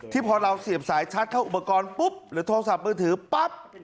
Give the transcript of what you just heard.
พอเราเสียบสายชัดเข้าอุปกรณ์ปุ๊บหรือโทรศัพท์มือถือปั๊บ